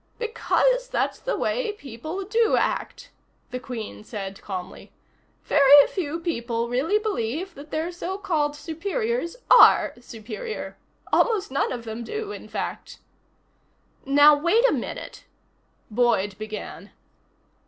"Because that's the way people do act," the Queen said calmly. "Very few people really believe that their so called superiors are superior. Almost none of them do, in fact." "Now wait a minute," Boyd began.